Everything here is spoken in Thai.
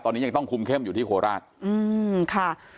ตอนนี้ยังต้องคุมเข้มอยู่ที่โคราชค่ะ